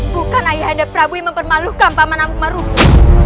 bukan ayah kandap prabu yang mempermalukan paman amuk maruguh